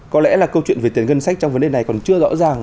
có lẽ là câu chuyện về tiền ngân sách trong vấn đề này còn chưa rõ ràng